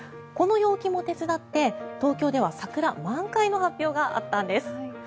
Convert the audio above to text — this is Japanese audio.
この陽気も手伝って、東京では桜満開の発表があったんです。